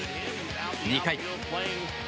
２回。